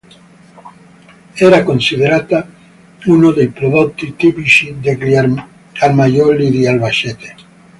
Era considerata uno dei prodotti tipici degli armaioli di Albacete.